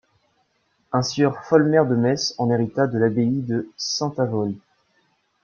Un sieur Folmer de Metz en hérita de l'abbaye de Saint-Avold.